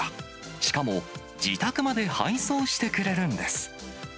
しかも自宅まで配送してくれるんです。